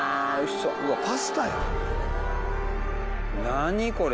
何これ。